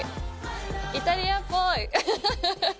イタリアっぽいハハハ。